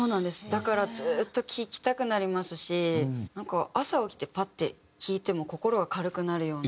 だからずっと聴きたくなりますし朝起きてパッて聴いても心が軽くなるような。